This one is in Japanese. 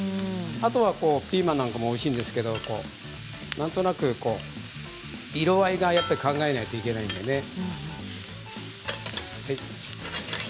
あとピーマンなんかもおいしいんですけれどなんとなく色合いを考えなければいけないのでね。